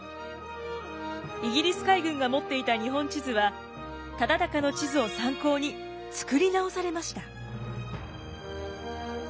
イギリス海軍が持っていた日本地図は忠敬の地図を参考に作り直されました。